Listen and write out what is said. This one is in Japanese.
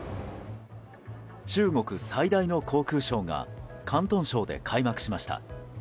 中国最大の航空ショーが広東省で開幕しました。